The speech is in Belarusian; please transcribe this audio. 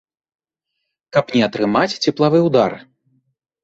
Каб не атрымаць цеплавы ўдар.